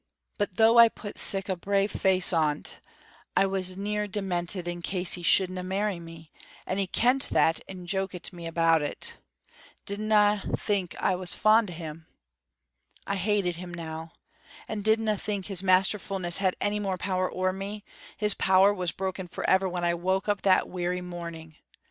"But though I put sic a brave face on't, I was near demented in case he shouldna marry me, and he kent that and jokit me about it. Dinna think I was fond o' him; I hated him now. And dinna think his masterfulness had any more power ower me; his power was broken forever when I woke up that weary morning.